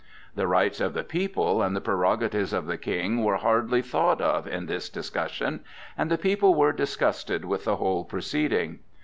The rights of the people and the prerogatives of the King were hardly thought of in this discussion, and the people were disgusted with the whole proceeding.